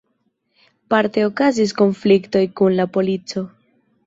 Parte okazis konfliktoj kun la polico.